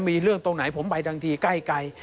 มีเรื่องตรงไหนผมไปทันทีใกล้